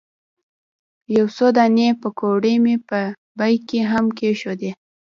یو څو دانې پیکورې مې په بیک کې هم کېښودې.